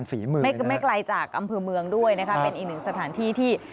ฝีมือไม่ไกลจากอำเภอเมืองด้วยนะคะเป็นอีกหนึ่งสถานที่ที่